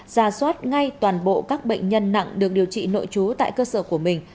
bắt ngay toàn bộ các bệnh nhân nặng được điều trị nội trú tại cơ sở của mình